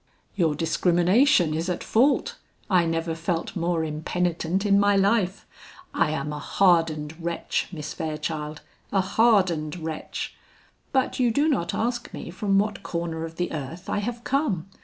"Your discrimination is at fault, I never felt more impenitent in my life. I am a hardened wretch, Miss Fairchild, a hardened wretch! But you do not ask me from what corner of the earth I have come.